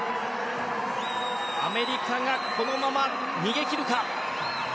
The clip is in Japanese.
アメリカがこのまま逃げ切るか。